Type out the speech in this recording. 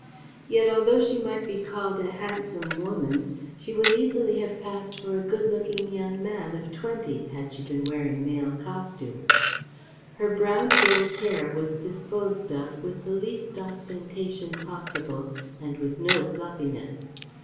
Yet although she might be called a handsome woman she would easily have passed for a good looking young man of twenty, had she been wearing male costume. Her brown gold hair was disposed of with the least ostentation possible and with no fluffiness.